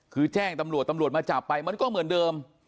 คือแจ้งตำรวจตำรวจมาจับไปมันก็เหมือนเดิม